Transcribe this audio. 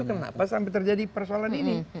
kenapa sampai terjadi persoalan ini